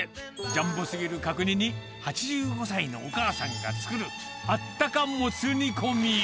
ジャンボすぎる角煮に、８５歳のお母さんが作る、あったかもつ煮込み。